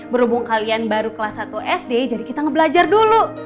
berhubung kalian baru kelas satu sd jadi kita ngebelajar dulu